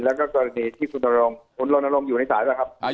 แล้วก็กรณีที่คุณโรนโรงคุณโรนโรงอยู่ในสายไหมครับ